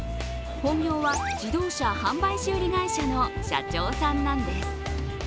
本業は、自動車販売修理会社の社長さんなんです。